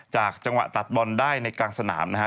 จังหวะตัดบอลได้ในกลางสนามนะฮะ